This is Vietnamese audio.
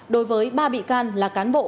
đối với ba bị can là cán bộ